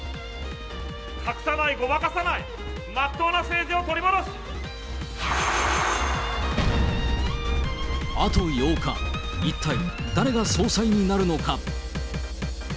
隠さない、ごまかさない、あと８日、一体誰が総裁になるのか。